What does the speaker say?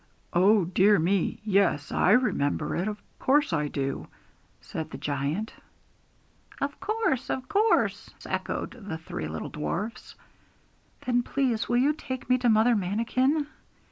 'Oh dear me! yes, I remember it; of course I do,' said the giant. 'Of course, of course,' echoed the three little dwarfs. 'Then please will you take me to Mother Manikin?'